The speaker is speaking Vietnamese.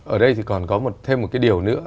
ở đây thì còn có thêm một cái điều nữa